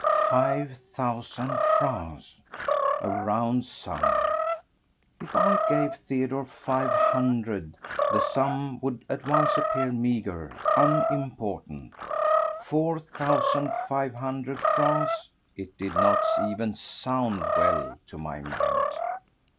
Five thousand francs! A round sum! If I gave Theodore five hundred the sum would at once appear meagre, unimportant. Four thousand five hundred francs!—it did not even sound well to my mind.